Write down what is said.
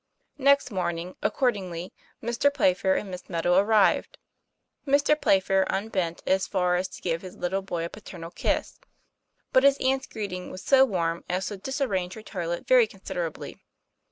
Next morning, accordingly, Mr. Playfair and Miss Meadow arrived. Mr. Playfair unbent so far as to give his little boy a paternal kiss; but his aunt's greeting was so warm as to disarrange her toilet very considerably.